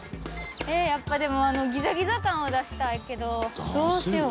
えっやっぱでもあのギザギザ感を出したいけどどうしよう？